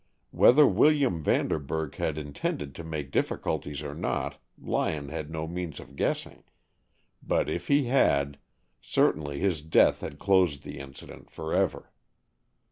Whether William Vanderburg had intended to make difficulties or not, Lyon had no means of guessing, but if he had, certainly his death had closed the incident for ever.